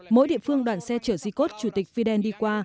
mỗi địa phương đoàn xe chở di cốt chủ tịch fidel đi qua